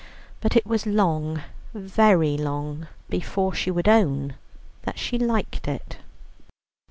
But it was long, very long, before she would own that she liked it.